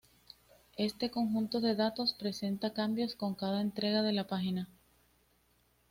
Este conjunto de datos presenta cambios con cada entrega de la página.